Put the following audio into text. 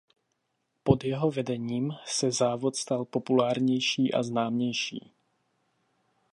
Pod jeho vedením se závod stal populárnější a známější.